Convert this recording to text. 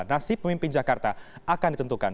nasib pemimpin jakarta akan ditentukan